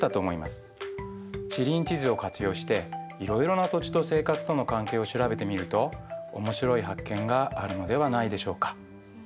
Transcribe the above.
地理院地図を活用していろいろな土地と生活との関係を調べてみると面白い発見があるのではないでしょうか。